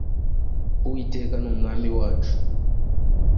uwiteka numwami wacu.